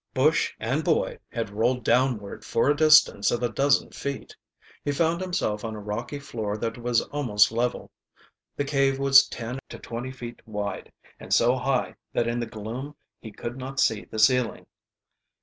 Bush and boy had rolled downward for a distance of a dozen feet. He found himself on a rocky floor that was almost level. The cave was ten to twenty feet wide, and so high that in the gloom he could not see the ceiling.